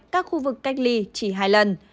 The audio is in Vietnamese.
các khu vực cách ly chỉ hai lần